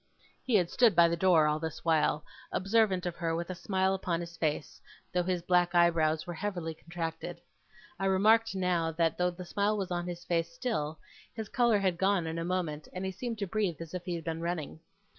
He had stood by the door, all this while, observant of her with a smile upon his face, though his black eyebrows were heavily contracted. I remarked now, that, though the smile was on his face still, his colour had gone in a moment, and he seemed to breathe as if he had been running.